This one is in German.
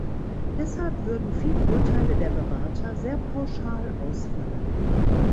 Deshalb würden viele Urteile der Berater sehr pauschal ausfallen.